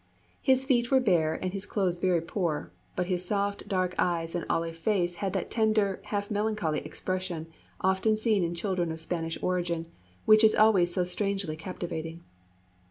His feet were bare and his clothes very poor, but his soft dark eyes and olive face had that tender, half melancholy expression often seen in children of Spanish origin, which is always so strangely captivating.